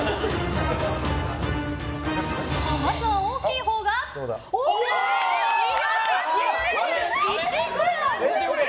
まずは大きいほうが２９０ｇ。